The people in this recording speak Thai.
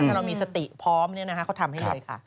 ถ้าเรามีสติพร้อมเขาทำให้เลยค่ะ